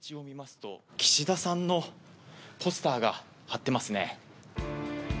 岸田さんのポスターが貼ってますね。